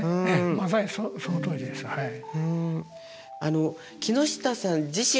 まさにそのとおりですはい。